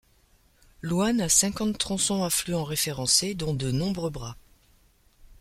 L' Ouanne a cinquante tronçons affluent référencés dont de nombreux bras.